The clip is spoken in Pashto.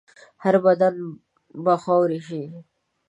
هر بدن به خاوره شي.